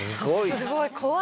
すごい！